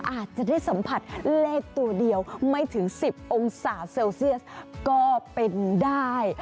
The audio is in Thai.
อาจจะได้สัมผัสเลขตัวเดียวไม่ถึง๑๐องศาเซลเซียสก็เป็นได้